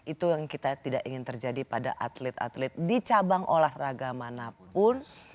itu yang kita tidak ingin terjadi pada atlet atlet di cabang olahraga manapun